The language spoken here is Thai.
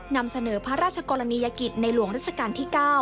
นำเสนอพระราชกรณียกิจในหลวงรัชกาลที่๙